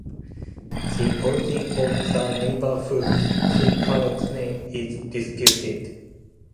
The origin of the neighborhood's current name is disputed.